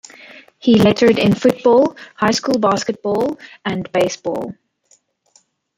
He lettered in football, High school basketball, and baseball.